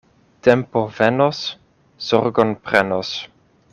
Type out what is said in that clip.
Tempo venos, zorgon prenos.